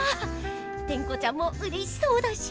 テンコちゃんもうれしそうだし。